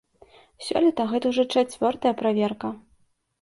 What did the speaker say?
Сёлета гэта ўжо чацвёртая праверка.